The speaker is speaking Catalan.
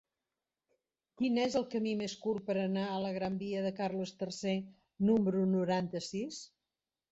Quin és el camí més curt per anar a la gran via de Carles III número noranta-sis?